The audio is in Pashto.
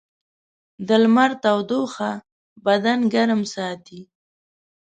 د لمر تودوخه بدن ګرم ساتي.